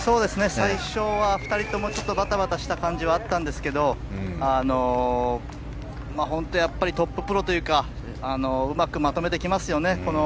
最初は２人共バタバタした感じはあったんですけど本当、トッププロというかうまくまとめてきますよね。